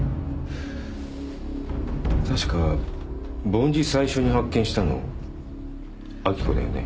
確か梵字最初に発見したの明子だよね？